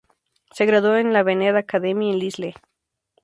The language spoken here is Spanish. Se graduó en la Benet Academy en Lisle.